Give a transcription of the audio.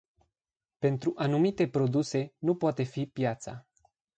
Pentru anumite produse, nu poate fi piața.